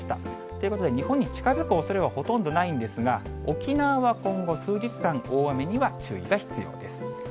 ということで、日本に近づくおそれはほとんどないんですが、沖縄は今後、数日間、大雨には注意が必要です。